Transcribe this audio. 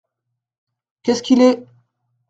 Qu’est-ce qu’il est ?